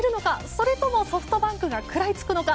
それともソフトバンクが食らいつくのか。